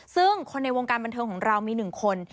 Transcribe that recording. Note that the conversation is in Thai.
ซึ่งคนในวงการบันเทิงของเรามี๑คน